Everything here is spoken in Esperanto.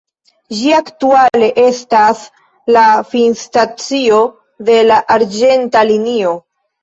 Ĝi aktuale estas la finstacio de la arĝenta linio.